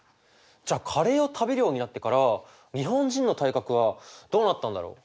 じゃあカレーを食べるようになってから日本人の体格はどうなったんだろう？